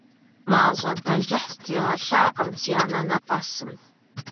Мащӏэ бэлыхь стригъэлъакъым си анэнэпӏэсым.